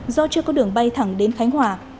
do chưa có đường bay thẳng đến khánh hòa